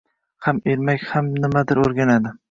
ham ermak, ham nimadir o‘rganadi.